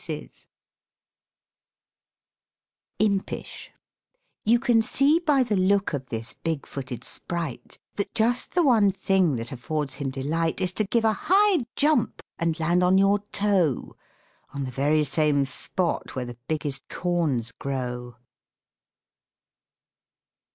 IMPISH You can see by the look of this big footed Sprite, That just the one thing that affords him delight Is to give a high jump and land on your toe, On the very same spot where the biggest corns grow.